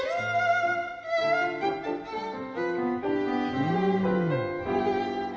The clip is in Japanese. うん。